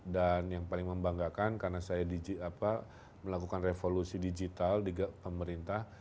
dan yang paling membanggakan karena saya melakukan revolusi digital di pemerintah